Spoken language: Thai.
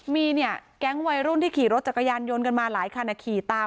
มีเนี่ยแก๊งวัยรุ่นที่ขี่รถจักรยานยนต์กันมาหลายคันขี่ตาม